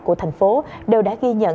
của thành phố đều đã ghi nhận